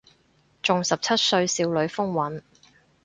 仲十七歲少女風韻